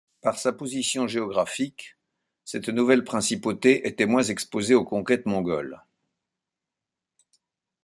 Par sa position géographique, cette nouvelle principauté était moins exposée aux Conquêtes mongoles.